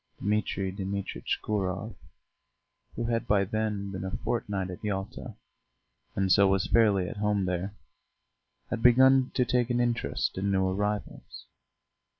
Dmitri Dmitritch Gurov, who had by then been a fortnight at Yalta, and so was fairly at home there, had begun to take an interest in new arrivals.